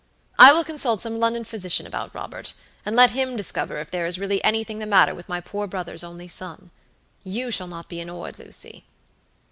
I will consult some London physician about Robert, and let him discover if there is really anything the matter with my poor brother's only son. You shall not be annoyed, Lucy."